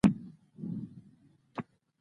دین هم د دې قاعدې له مستثنا پاتې نه شو.